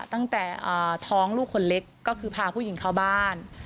ตั้งแต่ท้องลูกคนเล็กก็คือพาผู้หญิงเข้าบ้าน